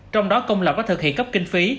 trong đó công lập có thực hiện cấp kinh phí